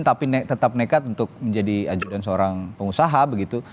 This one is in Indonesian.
tapi tetap nekat untuk menjadi ajudan seorang pengusaha begitu